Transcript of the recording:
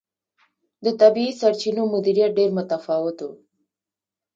د طبیعي سرچینو مدیریت ډېر متفاوت و.